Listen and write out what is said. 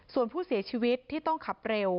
ส่วนผู้เสียชีวิตที่ต้องขับเร็ว